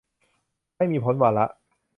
ไม่มีพ้นวาระ